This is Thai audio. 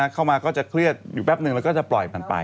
เข้ามาก็จะเครียดอยู่แป๊บนึงแล้วก็จะปล่อยผ่านไป